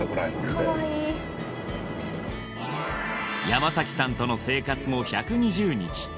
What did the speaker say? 山さんとの生活も１２０日